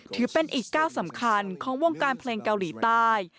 ถือเป็นอีกก้าวสำคัญของวงการเพลงเกาหลีใต้